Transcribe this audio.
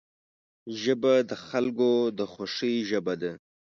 ژبه د خلکو د خوښۍ ژبه ده